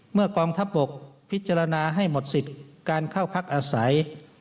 กองทัพบกพิจารณาให้หมดสิทธิ์การเข้าพักอาศัย